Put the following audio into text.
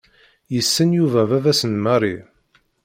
Yessen Yuba baba-s n Mary.